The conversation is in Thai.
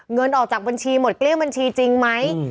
เงินออกจากบัญชีหมดเกลี้ยบัญชีจริงไหม